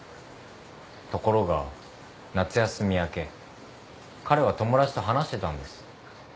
ところが夏休み明け彼は友達と話してたんです。